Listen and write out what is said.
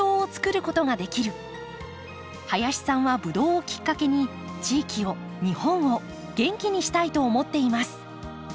林さんはブドウをきっかけに地域を日本を元気にしたいと思っています。